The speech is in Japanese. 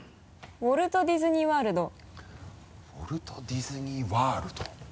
「ウォルト・ディズニー・ワールド」「ウォルト・ディズニー・ワールド」